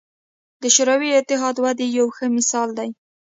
د شوروي اتحاد وده یې یو ښه مثال دی.